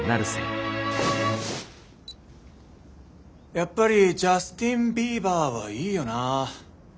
やっぱりジャスティン・ビーバーはいいよな。